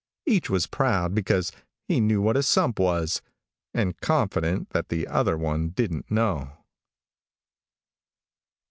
Each was proud because he knew what a sump was, and confident that the other one didn't know.